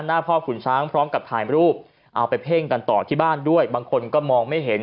พ่อขุนช้างพร้อมกับถ่ายรูปเอาไปเพ่งกันต่อที่บ้านด้วยบางคนก็มองไม่เห็น